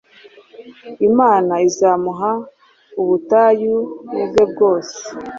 Imana izamuha ubutayu bwe bwose